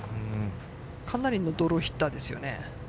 かなりのドローヒッターですよね。